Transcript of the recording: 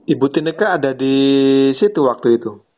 ibu tineke ada disitu waktu itu